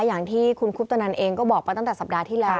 อย่างที่คุณคุปตนันเองก็บอกไปตั้งแต่สัปดาห์ที่แล้ว